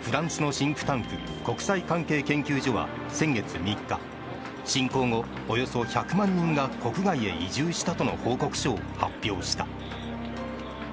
フランスのシンクタンク国際関係研究所は先月３日侵攻後、およそ１００万人が国外へ移住したとの報告書を発表した。